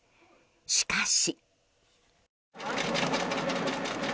しかし。